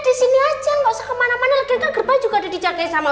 disini aja nggak usah kemana mana juga di jaga sama